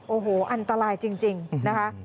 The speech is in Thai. โอ้โหอันตรายจริงนะคะ